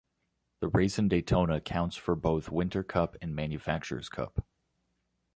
The race in Daytona counts for both Winter Cup and Manufactures Cup.